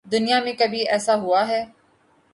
دنیا میں کبھی ایسا ہو اہے؟